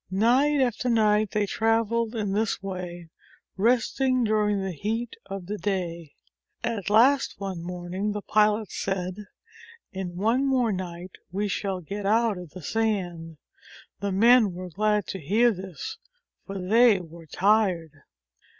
Night after night they traveled in this way, resting during the heat of the day. At last one morning the pilot said: "In one more night we shall get out of THE SANDY ROAD the sand." The men were glad to hear this, for they were tired.